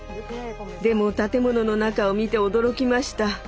でも建物の中を見て驚きました。